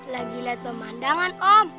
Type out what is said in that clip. lagi lihat pemandangan om